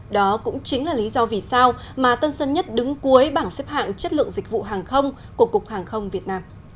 đó cũng chính là lý do vì sao mà tân sơn nhất đứng cuối bảng xếp hạng chất lượng dịch vụ hàng không của cục hàng không việt nam